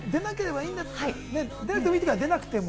出なくていいときは外に出なくても。